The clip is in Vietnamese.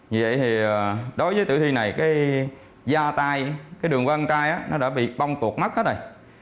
vậy thì đối với tử thi này cái da tai cái đường qua ăn trai nó đã bị bong tuột mắt hết rồi